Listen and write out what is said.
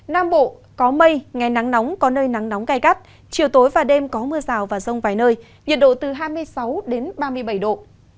nam bộ có mây ngày nắng nóng có nơi nắng nóng gai gắt chiều tối và đêm có mưa rào và rông vài nơi nhiệt độ từ hai mươi sáu đến ba mươi bảy độ